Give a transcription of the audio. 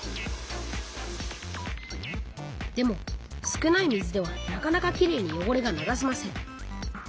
少ない水ではなかなかきれいによごれが流せません。